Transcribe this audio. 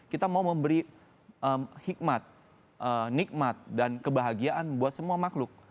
kita mau memberi hikmat nikmat dan kebahagiaan buat semua makhluk